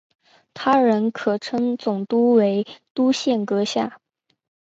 他人可称总督为督宪阁下。